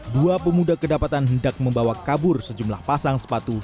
dua pemuda kedapatan hendak membawa kabur sejumlah pasang sepatu